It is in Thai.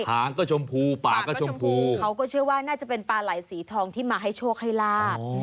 หางก็ชมพูป่าก็ชมพูเขาก็เชื่อว่าน่าจะเป็นปลาไหล่สีทองที่มาให้โชคให้ลาบ